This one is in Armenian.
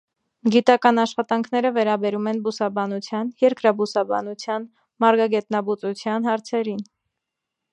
Գիտական աշխատանքները վերաբերում են բուսաբանության, երկրաբուսաբանության, մարգագետնաբուծության հարցերին։